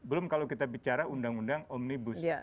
belum kalau kita bicara undang undang omnibus